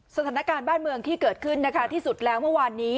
สถานการณ์บ้านเมืองที่เกิดขึ้นนะคะที่สุดแล้วเมื่อวานนี้